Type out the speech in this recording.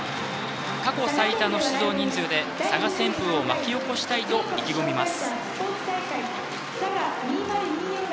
過去最多の出場人数で佐賀旋風を巻き起こしたいと意気込みます。